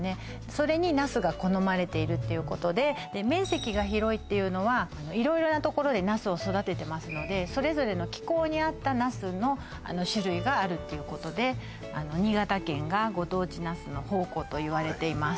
それにナスが好まれているっていうことで面積が広いっていうのは色々なところでナスを育ててますのでそれぞれの気候に合ったナスの種類があるっていうことで新潟県がご当地ナスの宝庫といわれています